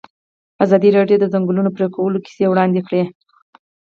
ازادي راډیو د د ځنګلونو پرېکول کیسې وړاندې کړي.